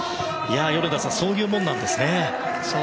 米田さんそういうものなんですね。